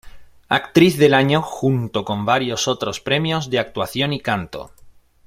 Actriz del Año junto con varios otros premios de actuación y canto.